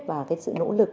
và cái sự nỗ lực